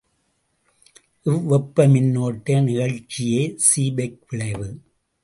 இவ்வெப்ப மின்னோட்ட நிகழ்ச்சியே சீபெக் விளைவு.